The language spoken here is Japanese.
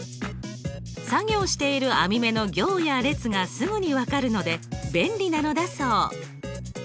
作業している網み目の行や列がすぐに分かるので便利なのだそう。